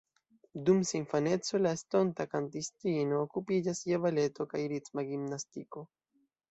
Dum sia infaneco la estonta kantistino okupiĝas je baleto kaj ritma gimnastiko.